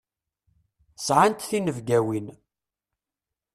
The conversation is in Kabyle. Sɛant tinebgawin.